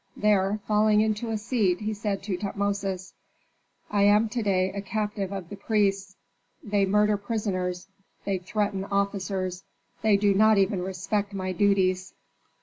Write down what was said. There falling into a seat he said to Tutmosis, "I am to day a captive of the priests. They murder prisoners, they threaten officers, they do not even respect my duties.